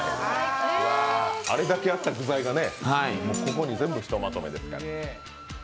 あれだけあった具材がここに全部ひとまとめですから。